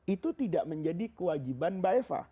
itu tidak menjadi kewajiban mbak eva